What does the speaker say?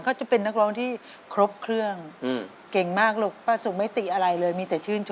ขอเชิญทั้งสองทีมขึ้นสู่เวทีซ่าครับ